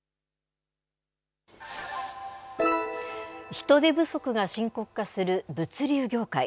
人手不足が深刻化する物流業界。